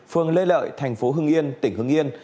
phường lê lợi tp hưng yên tỉnh hưng yên